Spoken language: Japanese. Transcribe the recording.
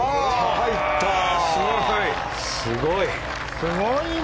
すごいな！